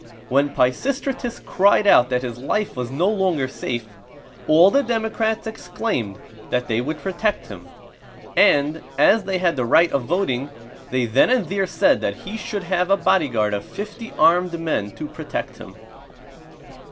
When Pisistratus cried out that his life was no longer safe, all the democrats exclaimed that they would protect him; and, as they had the right of voting, they then and there said that he should have a bodyguard of fifty armed men to protect him.